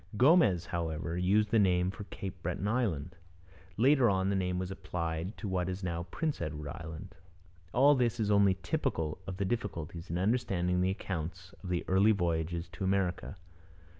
Gomez, however, used the name for Cape Breton island. Later on, the name was applied to what is now Prince Edward Island. All this is only typical of the difficulties in understanding the accounts of the early voyages to America.